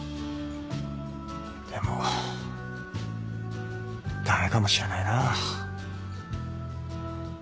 でも駄目かもしれないな。